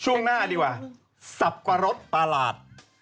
ช่วงหน้าอันดีกว่าสับกวะรสปลาหลาด